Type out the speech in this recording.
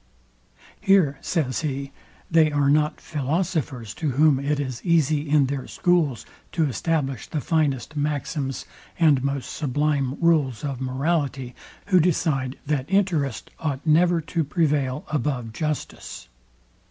"Here," says he, "they are not philosophers, to whom it is easy in their schools to establish the finest maxims and most sublime rules of morality, who decide that interest ought never to prevail above justice.